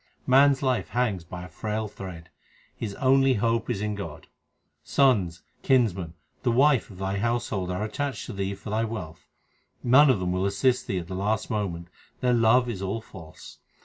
Man s life hangs by a frail thread ; his only hope is in God : Sons, kinsmen, the wife of thy household are attached to thee for thy wealth. None of them will assist thee at the last moment ; their love is all false.